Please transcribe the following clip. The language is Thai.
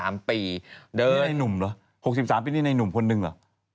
เด้ยหนุ่มเหรอ๖๓ปีนี่ในหนุ่มคนนึงเหรอ